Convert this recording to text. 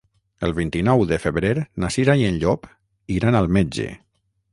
El vint-i-nou de febrer na Cira i en Llop iran al metge.